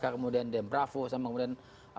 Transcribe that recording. kemudian dem pravo sama kemudian